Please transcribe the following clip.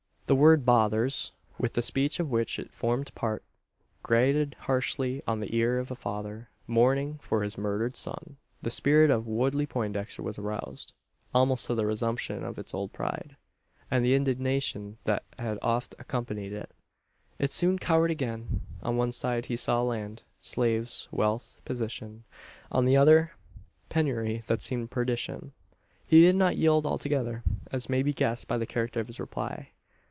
The word "bothers," with the speech of which it formed part, grated harshly on the ear of a father, mourning for his murdered son! The spirit of Woodley Poindexter was aroused almost to the resumption of its old pride, and the indignation that had oft accompanied it. It soon cowered again. On one side he saw land, slaves, wealth, position; on the other, penury that seemed perdition. He did not yield altogether; as may be guessed by the character of his reply.